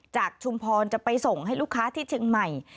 ชุมพรจะไปส่งให้ลูกค้าที่เชียงใหม่